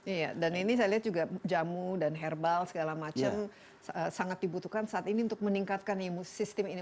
iya dan ini saya lihat juga jamu dan herbal segala macam sangat dibutuhkan saat ini untuk meningkatkan sistem ini